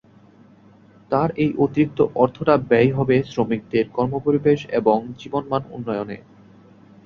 তাদের এই অতিরিক্ত অর্থটা ব্যয় হবে শ্রমিকদের কর্মপরিবেশ এবং জীবনমান উন্নয়নে।